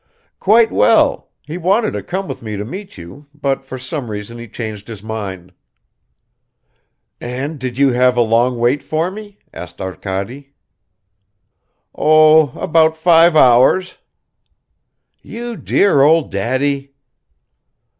"Quite well. He wanted to come with me to meet you, but for some reason he changed his mind." "And did you have a long wait for me?" asked Arkady. "Oh, about five hours." "You dear old daddy!"